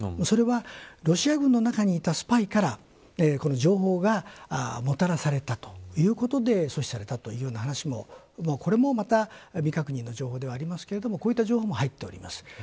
これはロシア軍の中にいたスパイから情報がもたらされたということで阻止されたというような話もこれもまた未確認の情報ではありますがこういった情報も入っています。